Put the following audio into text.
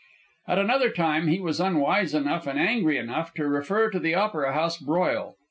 At another time he was unwise enough and angry enough to refer to the Opera House broil.